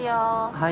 はい。